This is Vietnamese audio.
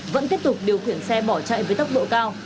vẫn tiếp tục điều khiển xe bỏ chạy với tốc độ cao